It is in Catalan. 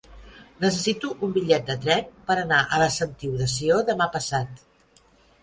Necessito un bitllet de tren per anar a la Sentiu de Sió demà passat.